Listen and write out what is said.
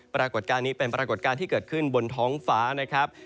ปรากฏการณ์นี้เป็นปรากฏการณ์ที่เกิดขึ้นบนท้องฟ้านะครับ